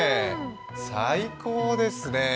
最高ですね。